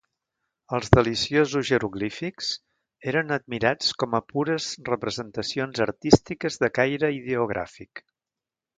Els deliciosos jeroglífics eren admirats com a pures representacions artístiques de caire ideogràfic.